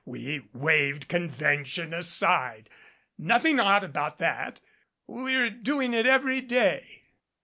We waved convention aside. Nothing odd about that. We're doing it every day."